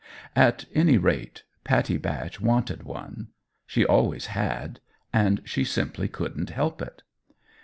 At any rate, Pattie Batch wanted one: she always had and she simply couldn't help it.